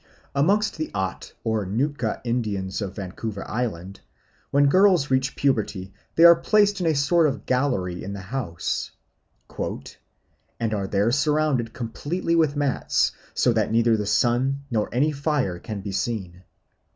Amongst the Aht or Nootka Indians of Vancouver Island, when girls reach puberty they are placed in a sort of gallery in the house "and are there surrounded completely with mats, so that neither the sun nor any fire can be seen.